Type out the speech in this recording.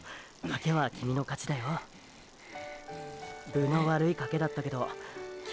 分の悪い賭けだったけどハッハッ！